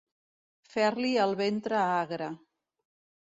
Fer-li el ventre agre.